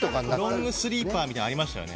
ロングスリーパーみたいのありましたよね。